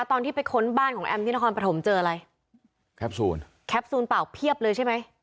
ตอนที่ไปค้นบ้านของแอมที่นครปฐมเจออะไรแคปซูลแคปซูลเปล่าเพียบเลยใช่ไหม